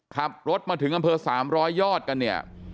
ขับรถมาถึงอำเภอสามร้อยยอดกันเนี่ย